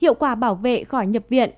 hiệu quả bảo vệ khỏi nhập viện